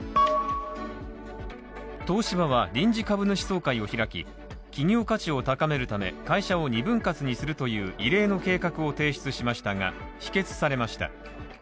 東芝は、臨時株主総会を開き、企業価値を高めるため、会社を２分割にするという異例の計画を提出しましたが否決されました。